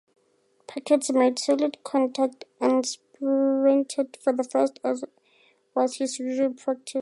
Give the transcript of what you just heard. Puckett made solid contact and sprinted for first, as was his usual practice.